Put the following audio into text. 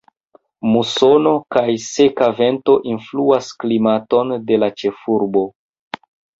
Musono kaj seka vento influas klimaton de la ĉefurbo.